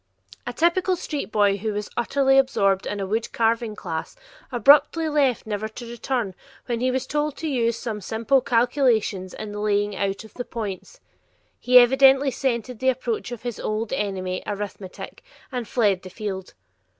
A typical street boy who was utterly absorbed in a wood carving class, abruptly left never to return when he was told to use some simple calculations in the laying out of the points. He evidently scented the approach of his old enemy, arithmetic, and fled the field.